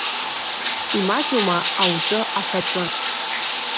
Имаҷума аутәы-аҳәатәы?